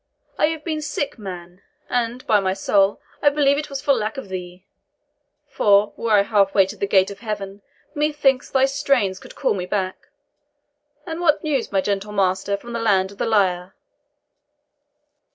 I have been sick, man, and, by my soul, I believe it was for lack of thee; for, were I half way to the gate of heaven, methinks thy strains could call me back. And what news, my gentle master, from the land of the lyre?